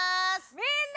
みんな！